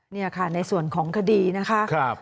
นี่ค่ะในส่วนของคดีนะคะ